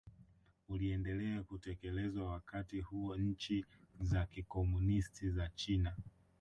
uliendelea kutekelezwa Wakati huo nchi za kikomunisti za China